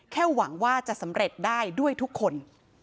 หวังว่าจะสำเร็จได้ด้วยทุกคน